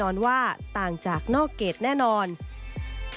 เป็นอย่างไรนั้นติดตามจากรายงานของคุณอัญชาฬีฟรีมั่วครับ